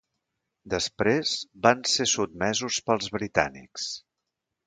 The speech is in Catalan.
Després van ser sotmesos pels britànics.